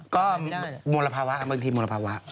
ก็มลภาวะบางทีมลภาวะ